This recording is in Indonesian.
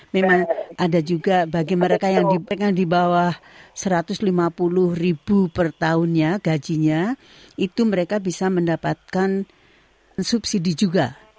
memang ada juga bagi mereka yang di bawah rp satu ratus lima puluh ribu per tahunnya gajinya itu mereka bisa mendapatkan subsidi juga